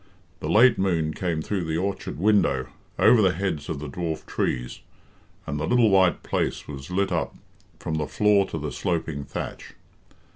The late moon came through the orchard window, over the heads of the dwarf trees, and the little white place was lit up from the floor to the sloping thatch.